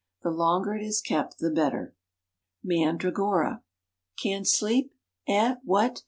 The longer it is kept the better. Mandragora. "Can't sleep." Eh? What!